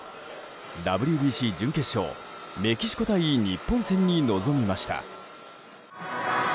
ＷＢＣ準決勝メキシコ対日本戦に臨みました。